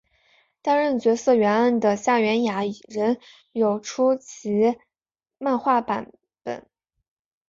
担任角色原案的夏元雅人有出其漫画版本。